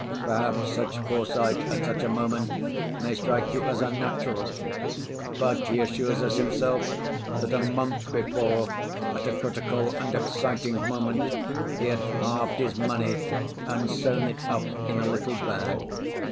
Perhaps such foresight at such a moment may strike you as unnatural? But he assures us himself that a month before, at a critical and exciting moment, he had halved his money and sewn it up in a little bag.